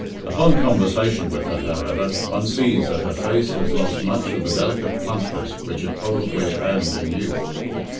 Upon conversation with her, however, one sees that her face has lost much of the delicate plumpness which it probably owned in youth.